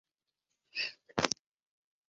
通讷人口变化图示